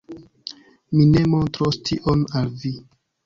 Mi ne montros tion al vi